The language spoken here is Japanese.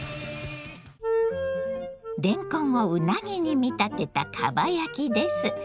れんこんをうなぎに見立てたかば焼きです。